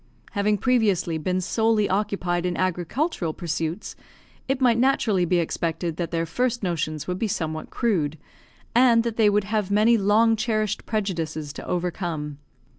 Having previously been solely occupied in agricultural pursuits, it might naturally be expected that their first notions would be somewhat crude, and that they would have many long cherished prejudices to overcome.